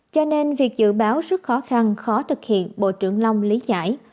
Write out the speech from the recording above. cho nên việc dự báo rất khó khăn khó thực hiện bộ trưởng long lý giải